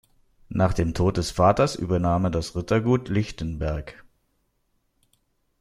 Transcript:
Nach dem Tod des Vaters übernahm er das Rittergut Lichtenberg.